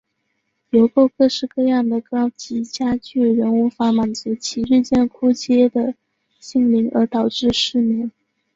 邮购各式各样的高级家具仍无法满足其日渐枯竭的心灵而导致失眠。